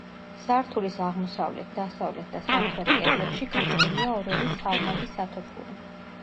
სართულის აღმოსავლეთ, დასავლეთ და სამხრეთ კედლებში გაჭრილია ორ-ორი ცალმაგი სათოფური.